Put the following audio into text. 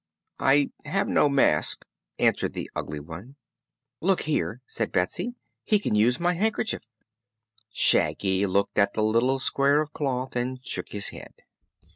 "I have no mask," answered the Ugly One. "Look here," said Betsy; "he can use my handkerchief." Shaggy looked at the little square of cloth and shook his head.